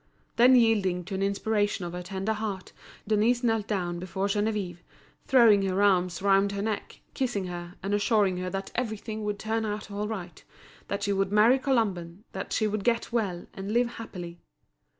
Then yielding to an inspiration of her tender heart, Denise knelt down before Geneviève, throwing her arms round her neck, kissing her, and assuring her that everything would turn out all right, that she would marry Colomban, that she would get well, and live happily.